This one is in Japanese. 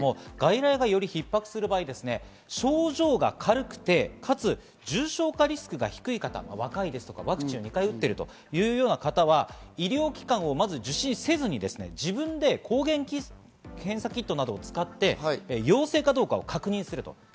外来がより逼迫する場合、症状が軽くて、かつ重症化リスクが低い方、若い、ワクチンを２回打っているという方は医療機関をまず受診せずに、自分で抗原検査キットなどを使って陽性かどうかを確認する。